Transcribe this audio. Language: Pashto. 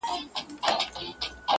عاقبت یې په کوهي کي سر خوړلی.!